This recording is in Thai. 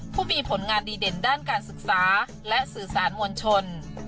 ผู้มีผลงานดีเด่นด้านการศึกษาและสื่อสารมวลชน